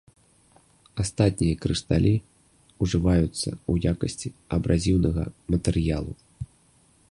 Астатнія крышталі ўжываюцца ў якасці абразіўнага матэрыялу.